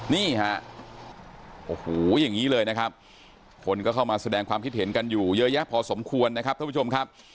นี่ฮะโอ้โหอย่างนี้เลยนะครับคนก็เข้ามาแสดงความคิดเห็นกันอยู่เยอะแยะพอสมควรนะครับท่านผู้ชมครับ